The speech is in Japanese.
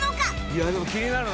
いやでも気になるな。